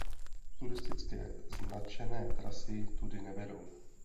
Turistické značené trasy tudy nevedou.